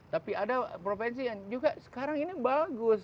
tapi ada provinsi yang juga sekarang ini bagus